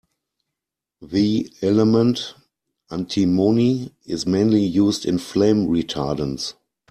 The element antimony is mainly used in flame retardants.